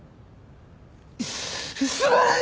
すまない！